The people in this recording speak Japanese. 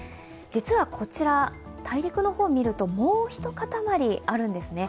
実はこちら、大陸の方を見るともう一塊、あるんですね。